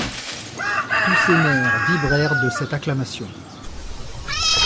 Tous ses nerfs vibrèrent de cette acclamation.